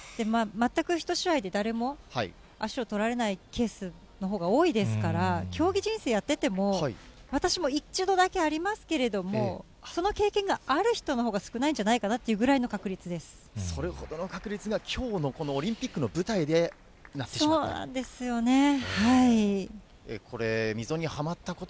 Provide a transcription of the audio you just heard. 全く１試合で誰も足を取られないケースのほうが多いですから、競技人生やってても、私も１度だけありますけれども、その経験がある人のほうが少ないんじゃないかなというくらいの確それほどの確率が、きょうのこのオリンピックの舞台でなってしまった。